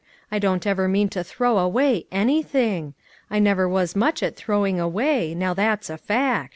I don't ever mean to throw away anything. I never was much at throwing away ; now that's a fact."